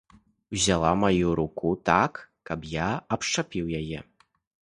Узяла маю руку так, каб я абшчапіў яе.